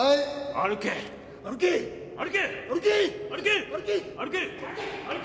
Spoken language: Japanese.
歩け歩け歩け歩け！